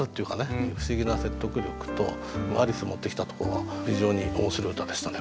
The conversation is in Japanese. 不思議な説得力と「アリス」持ってきたところが非常に面白い歌でしたね